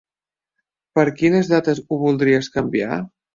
Per quines dates ho voldries canviar?